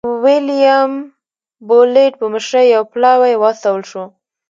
د ویلیم بولېټ په مشرۍ یو پلاوی واستول شو.